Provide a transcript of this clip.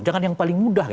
jangan yang paling mudah